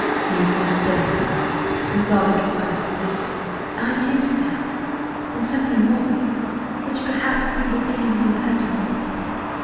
"You think so, madam?" was all he could find to say. "I do, sir. And something more, which, perhaps, you will deem an impertinence.